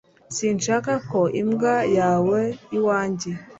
Sinshaka ko imbwa yawe iwanjye